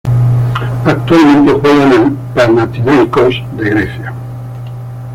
Actualmente juega en Panathinaikos de Grecia.